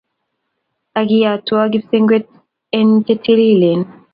Ak kiyatwa kipsengwet en che tililen